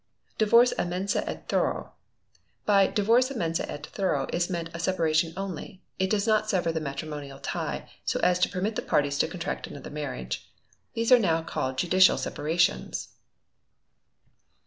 ] 1569. Divorce à mensâ et thoro. By Divorce à mensâ et thoro is meant a separation only; it does not sever the matrimonial tie, so as to permit the parties to contract another marriage. These are now called _judicial separations.